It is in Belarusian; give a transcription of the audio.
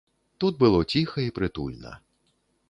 Тут было ціха і прытульна.